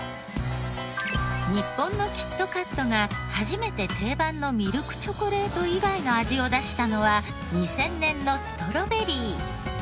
日本のキットカットが初めて定番のミルクチョコレート以外の味を出したのは２０００年のストロベリー。